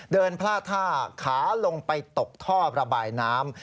เดินพลาดท่าขาลงไปตกท่อระบายน้ำ